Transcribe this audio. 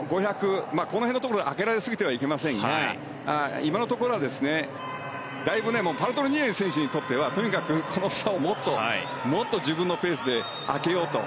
この辺のところで開けられすぎてはいけませんが今のところはだいぶパルトリニエリ選手にとってはとにかくこの差をもっと自分のペースで開けようと。